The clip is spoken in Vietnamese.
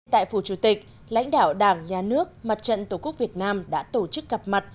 tại phủ chủ tịch lãnh đạo đảng nhà nước mặt trận tổ quốc việt nam đã tổ chức gặp mặt